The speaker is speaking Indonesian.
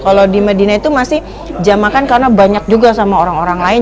kalau di medina itu masih jam makan karena banyak juga sama orang orang lain